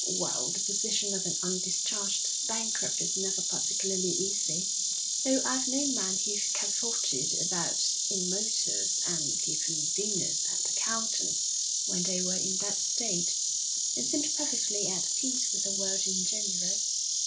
'Well, the position of an undischarged bankrupt is never particularly easy, though I've known men who've cavorted about in motors and given dinners at the Carlton when they were in that state, and seemed perfectly at peace with the world in general.